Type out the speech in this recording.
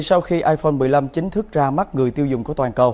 sau khi iphone một mươi năm chính thức ra mắt người tiêu dùng của toàn cầu